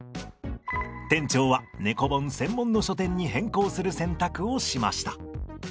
店長は猫本専門の書店に変更する選択をしました。